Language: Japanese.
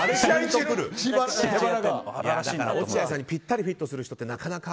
落合さんにぴったりフィットする人ってなかなか。